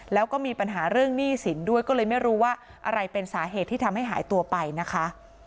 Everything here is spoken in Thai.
แล้วก็มีปัญหาเรื่องหนี้สินด้วยก็เลยไม่รู้ว่าอะไรเป็นสาเหตุที่ทำให้หายตัวไปนะคะ